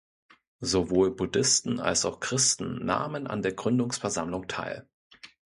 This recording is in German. Sowohl Buddhisten als auch Christen nahmen an der Gründungsversammlung teil.